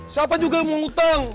siapa juga yang mau ngutang